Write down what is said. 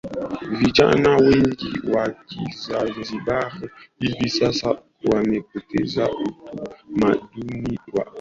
Vijana wengi wakizanzibar hivi sasa wamepoteza utamaduni wao